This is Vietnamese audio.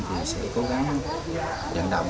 chúng tôi sẽ cố gắng dẫn động